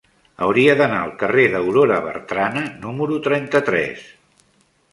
Hauria d'anar al carrer d'Aurora Bertrana número trenta-tres.